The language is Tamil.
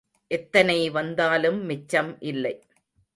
எத்தனை வந்தாலும் மிச்சம் இல்லை.